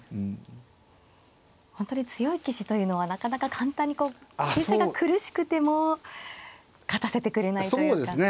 本当に強い棋士というのはなかなか簡単にこう形勢が苦しくても勝たせてくれないというか。